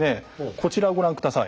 こちらをご覧下さい。